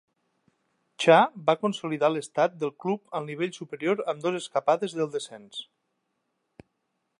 Cha va consolidar l"estat del club al nivell superior amb dos escapades del descens.